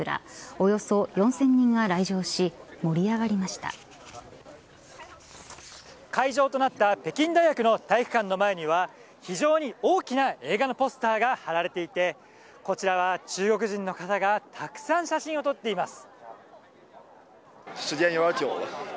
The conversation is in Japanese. およそ４０００人が来場し会場となった北京大学の体育館の前には非常に大きな映画のポスターが張られていてこちらは中国人の方がたくさん写真を撮っています。